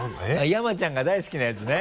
やまちゃんが大好きなやつね？